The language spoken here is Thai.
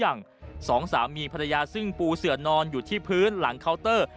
อย่างสองสามีภรรยาซึ่งปูเสือนอนอยู่ที่พื้นหลังเคาน์เตอร์